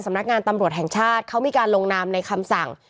สำนักงานตำรวจแห่งชาติเขามีการลงนามในคำสั่ง